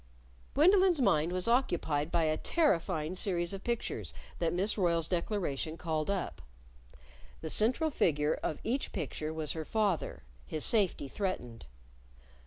Gwendolyn's mind was occupied by a terrifying series of pictures that Miss Royle's declaration called up. The central figure of each picture was her father, his safety threatened.